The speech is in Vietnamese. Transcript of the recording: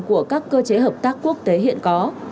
của các cơ chế hợp tác quốc tế hiện có